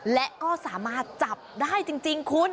และก็สามารถจับได้จริงคุณ